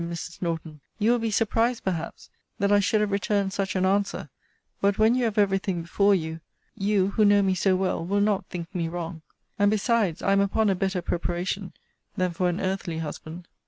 After which she thus proceeds:] Now, my dear Mrs. Norton, you will be surprised, perhaps, that I should have returned such an answer: but when you have every thing before you, you, who know me so well, will not think me wrong. And, besides, I am upon a better preparation than for an earthly husband.